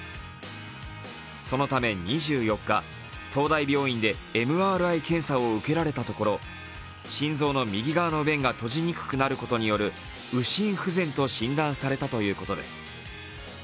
そのため２４日、東大病院でＭＲＩ検査を受けられたところ心臓の右側の弁が閉じにくくなることによる右心不全と診断されたということです。